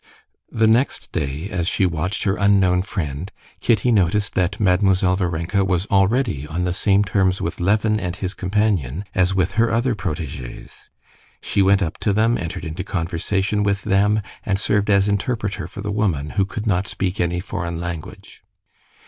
The next day, as she watched her unknown friend, Kitty noticed that Mademoiselle Varenka was already on the same terms with Levin and his companion as with her other protégés. She went up to them, entered into conversation with them, and served as interpreter for the woman, who could not speak any foreign language.